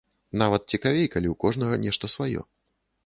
Нават цікавей, калі ў кожнага нешта сваё.